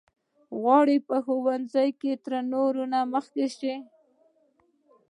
غواړي په ښوونځي کې تر نورو مخکې شي.